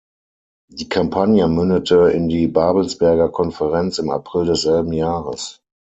Die Kampagne mündete in die Babelsberger Konferenz im April desselben Jahres.